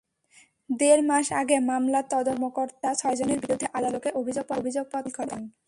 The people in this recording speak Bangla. দেড় মাস আগে মামলার তদন্ত কর্মকর্তা ছয়জনের বিরুদ্ধে আদালতে অভিযোগপত্র দাখিল করেন।